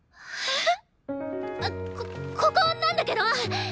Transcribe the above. こここなんだけど！